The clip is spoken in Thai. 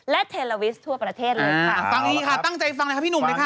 และเทลโลวิสทั่วประเทศเลยค่ะ